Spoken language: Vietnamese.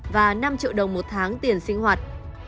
và năm triệu đồng một tháng tiền sinh hoạt